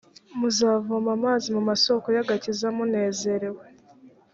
muzavoma amazi mu masoko y’agakiza munezerewe